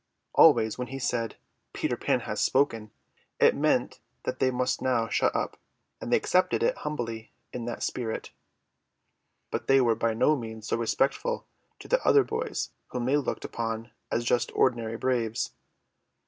Always when he said, "Peter Pan has spoken," it meant that they must now shut up, and they accepted it humbly in that spirit; but they were by no means so respectful to the other boys, whom they looked upon as just ordinary braves.